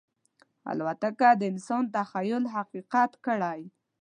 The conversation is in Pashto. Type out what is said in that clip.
الوتکه د انسان تخیل حقیقت کړی.